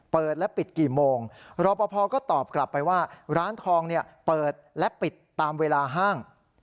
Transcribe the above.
เปิดและปิดกี่โมงรอปภก็ตอบกลับไปว่าร้านทองเนี่ยเปิดและปิดตามเวลาห้าง